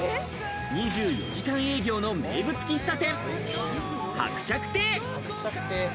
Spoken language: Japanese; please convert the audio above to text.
２４時間営業の名物喫茶店・伯爵邸。